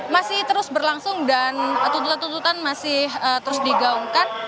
masih terus berlangsung dan tuntutan tuntutan masih terus digaungkan